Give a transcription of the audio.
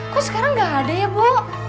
kok sekarang nggak ada ya bu